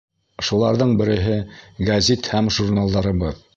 Шуларҙың береһе — гәзит һәм журналдарыбыҙ.